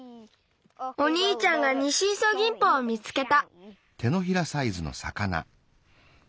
おにいちゃんがニシイソギンポを見つけた。